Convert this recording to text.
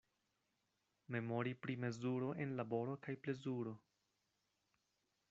Memori pri mezuro en laboro kaj plezuro.